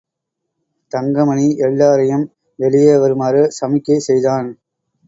தங்கமணி எல்லாரையும் வெளியே வருமாறு சமிக்ஞை செய்தான்.